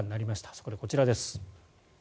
そこで、こちらです。